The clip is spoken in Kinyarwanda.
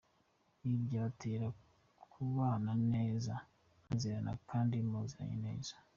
Ibi byabatera kubana neza mwizerana kandi muziranye neza.